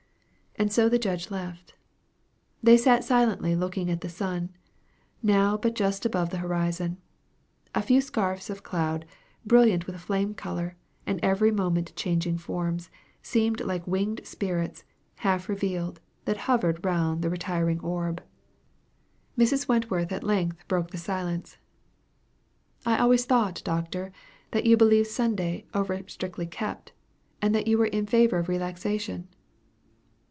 And so the judge left. They sat silently looking at the sun, now but just above the horizon. A few scarfs of cloud, brilliant with flame color, and every moment changing forms, seemed like winged spirits, half revealed, that hovered round the retiring orb. Mrs. Wentworth at length broke the silence. "I always thought, Doctor, that you believed Sunday over strictly kept, and that you were in favor of relaxation."